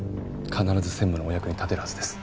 必ず専務のお役に立てるはずです。